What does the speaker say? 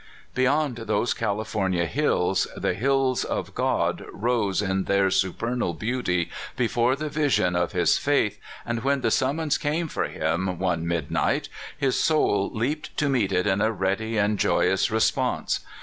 * Beyond those California hills the hills of God rose in their supernal beauty before the vision of his faith, and when the summons came for him one midnight, his soul leaped to meet it in a ready and joyous response.